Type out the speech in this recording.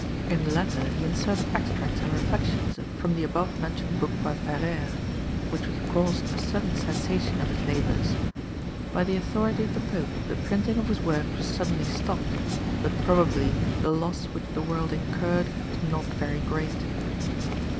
In the latter he inserted extracts and reflections from the above mentioned book by Peyrère, which caused a sudden cessation of his labours. By the authority of the Pope the printing of his works was suddenly stopped, but probably the loss which the world incurred was not very great.